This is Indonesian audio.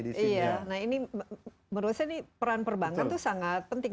nah ini menurut saya peran perbankan itu sangat penting